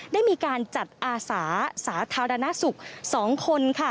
ได้มีการจัดอาสาสาธารณสุข๒คนค่ะ